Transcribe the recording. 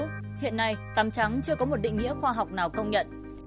ngày hôm nay tắm trắng chưa có một định nghĩa khoa học nào công nhận